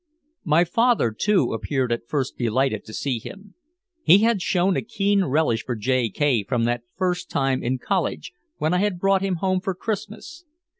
My father too appeared at first delighted to see him. He had shown a keen relish for J. K. from that first time in college when I had brought him home for Christmas.